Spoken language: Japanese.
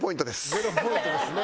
０ポイントですね。